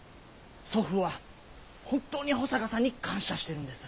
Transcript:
祖父は本当に保坂さんに感謝してるんです。